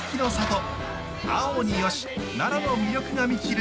あおによし奈良の魅力が満ちる